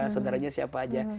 saudaranya siapa aja